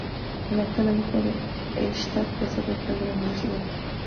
El actual obispo de Eichstätt es el Rector de la universidad.